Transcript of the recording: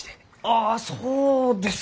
あそうですか。